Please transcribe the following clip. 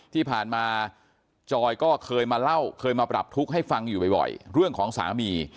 ที่ผ่านมาจอยก็เคยมาเล่าเคยมาปรับทุกข์ให้ฟังอยู่บ่อยเรื่องของสามี